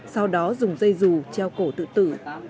sau đó dùng dây rù treo cổ tự tử